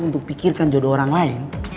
untuk pikirkan jodoh orang lain